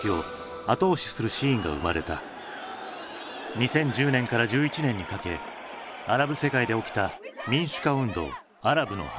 ２０１０年から１１年にかけアラブ世界で起きた民主化運動アラブの春。